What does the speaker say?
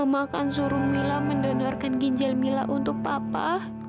mama akan suruh mila mendonorkan ginjal mila untuk papa